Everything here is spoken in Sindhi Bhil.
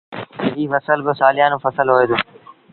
ايٚ ڦسل با سآليآݩون ڦسل هوئي دو۔